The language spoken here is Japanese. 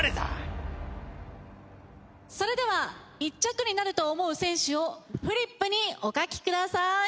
それでは１着になると思う選手をフリップにお書き下さい。